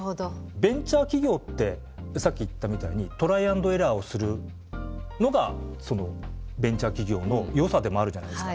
ベンチャー企業ってさっき言ったみたいにトライアンドエラーをするのがベンチャー企業のよさでもあるじゃないですか。